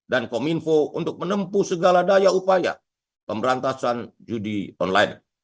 dan kominfo untuk menempuh segala daya upaya pemberantasan judi online